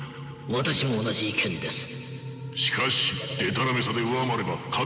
私も同じ意見です。